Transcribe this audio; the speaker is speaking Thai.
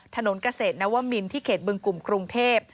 ถนนเกษตรนวมินที่เขตบึงกลุ่มกรุงเทพ